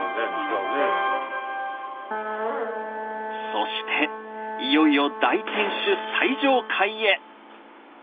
そしていよいよ大天守最上階へ。